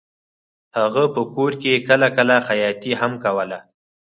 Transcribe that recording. هغه په کور کې کله کله خیاطي هم کوله